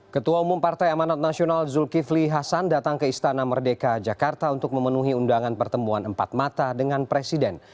ketua umum partai amanat nasional zulkifli hasan datang ke istana merdeka jakarta untuk memenuhi undangan pertemuan empat mata dengan presiden